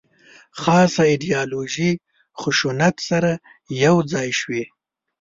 خاصه ایدیالوژي خشونت سره یو ځای شوې.